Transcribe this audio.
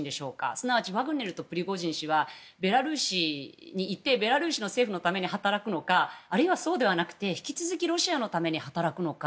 すなわちワグネルとプリゴジン氏はベラルーシにいてベラルーシの政府のために働くかあるいはそうではなくて引き続きロシアのために働くのか。